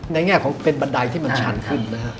แง่ของเป็นบันไดที่มันชันขึ้นนะฮะ